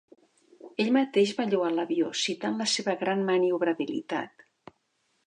Ell mateix va lloar l'avió, citant la seva gran maniobrabilitat.